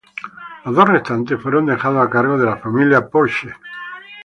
Los dos restantes fueron dejados a cargo de la familia Porsche.